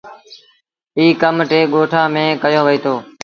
ايٚ ڪم ٽي ڳوٺآݩ ميݩ ڪيو وهيٚتو۔